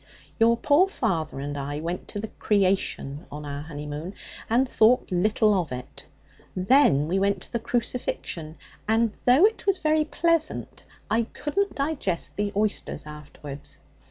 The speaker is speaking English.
Your poor father and I went to the "Creation" on our honeymoon, and thought little of it; then we went to the "Crucifixion," and though it was very pleasant, I couldn't digest the oysters afterwards.